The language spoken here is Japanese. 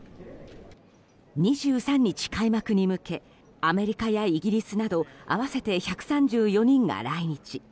２３日開幕に向けアメリカやイギリスなど合わせて１３４人が来日。